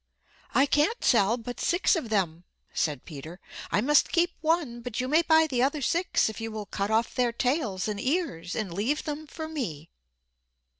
"I can't sell but six of them," said Peter. "I must keep one, but you may buy the other six if you will cut off their tails and ears and leave them for me."